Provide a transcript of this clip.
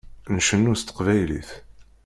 Ncennu s teqbaylit.